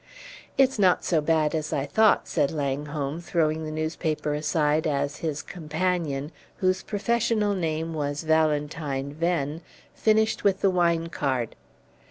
"It's not so bad as I thought," said Langholm, throwing the newspaper aside as his companion, whose professional name was Valentine Venn, finished with the wine card.